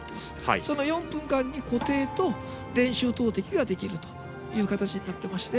その４分間に固定と練習投てきができるという形になっていまして。